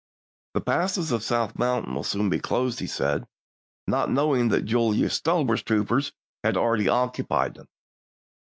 The passes of South Mountain would soon be closed, he said — not knowing that Julius Stahel's troopers had already occupied them.